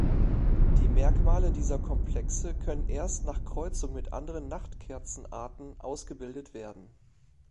Die Merkmale dieser Komplexe können erst nach Kreuzung mit anderen Nachtkerzen-Arten ausgebildet werden.